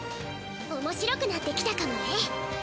おもしろくなってきたかもね！